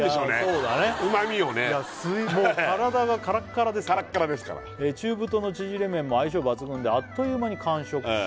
そうだねうま味をねもう体がカラッカラですからカラッカラですから「中太の縮れ麺も相性抜群であっという間に完食し」